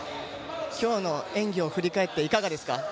今日の演技を振り返っていかがですか？